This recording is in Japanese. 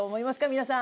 皆さん。